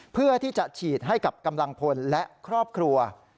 เพื่อที่จะฉีดให้กับกำลังพลและครอบครัว